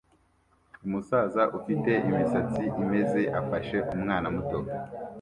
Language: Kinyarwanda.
Umusaza ufite imisatsi imeze afashe umwana muto